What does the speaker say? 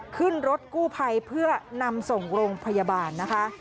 ขึ้นรถกู้ภัยเพื่อนำส่งโรงพยาบาลนะคะ